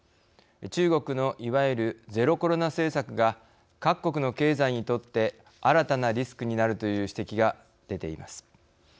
中国のいわゆるゼロコロナ政策が各国の経済にとって新たなリスクになるという指摘が出ています。